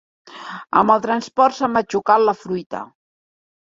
Amb el transport s'ha matxucat la fruita.